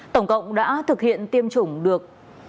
tổng cộng đã thực hiện tiêm chủng được